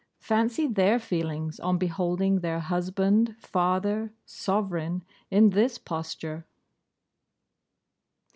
Fancy their feelings on beholding their husband, father, sovereign, in this posture!